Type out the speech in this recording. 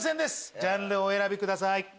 ジャンルをお選びください。